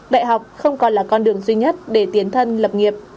đại học không còn là con đường duy nhất để tiến thân lập nghiệp